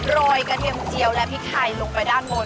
รอยกระเทียมเจียวและพริกไทยลงไปด้านบน